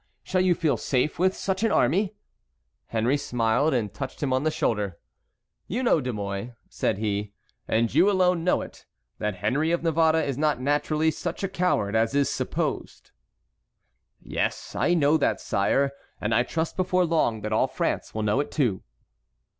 Shall you feel safe with such an army?" Henry smiled and touched him on the shoulder. "You know, De Mouy," said he, "and you alone know it, that Henry of Navarre is not naturally such a coward as is supposed." "Yes, I know that, sire; and I trust before long that all France will know it too."